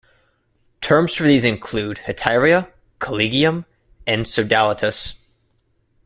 Terms for these include "hetaeria", "collegium", and "sodalitas".